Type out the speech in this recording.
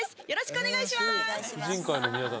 よろしくお願いします！